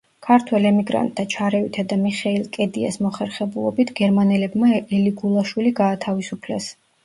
ქართველ ემიგრანტთა ჩარევითა და მიხეილ კედიას მოხერხებულობით, გერმანელებმა ელიგულაშვილი გაათავისუფლეს.